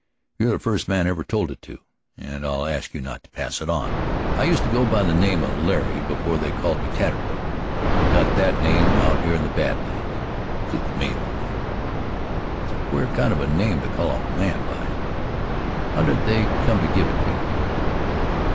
"You're the first man I ever told it to, and I'll ask you not to pass it on. I used to go by the name of Larry before they called me Taterleg. I got that name out here in the Bad Lands; it suits me, all right." "It's a queer kind of a name to call a man by. How did they come to give it to you?"